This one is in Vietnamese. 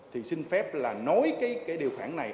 thì xin phép là nối cái điều khoản này